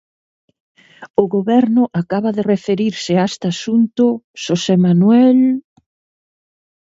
O Goberno acaba de referirse a este asunto, Xosé Manuel...